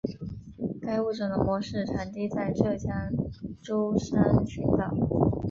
该物种的模式产地在浙江舟山群岛。